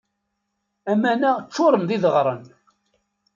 Aman-a ččuren d ideɣren.